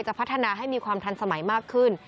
พัฒนาให้มีความทันสมัยมากขึ้น